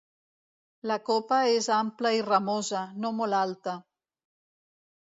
la copa és ampla i ramosa, no molt alta.